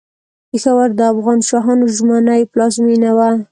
پېښور د افغان شاهانو ژمنۍ پلازمېنه وه.